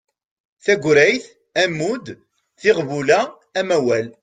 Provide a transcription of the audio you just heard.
Tagrayt, ammud, tiɣbula, amawal